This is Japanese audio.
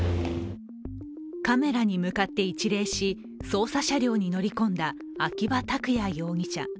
カメラに向かって一礼し、捜査車両に乗り込んだ秋葉拓也容疑者。